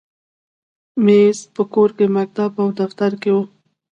مېز په کور، مکتب، او دفتر کې وي.